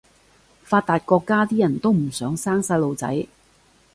發達國家啲人都唔想生細路仔